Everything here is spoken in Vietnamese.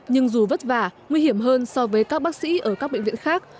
nhưng dù vất vả nguy hiểm hơn so với các bác sĩ ở các bệnh viện khác